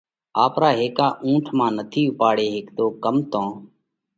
آپرا هيڪا اُونٺ مانه نٿِي اُوپاڙي هيڪتو ڪم تو